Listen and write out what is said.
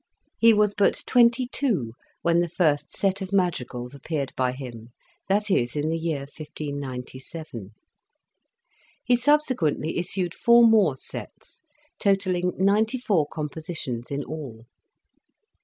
He was but twenty two when the first '' Set of Madrigals " ap peared by him, that is, in the year 1597. He subsequently issued four more "Sets," total ling ninety four compositions in all.